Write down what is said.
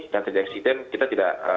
dan terjadi eksiden kita tidak